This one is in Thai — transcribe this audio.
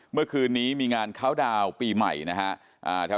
เมื่อคืนนี้มีงานเข้าดาวน์ปีใหม่นะฮะ